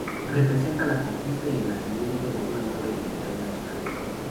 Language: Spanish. Representa la conquista y el nacimiento de una nueva identidad nacional.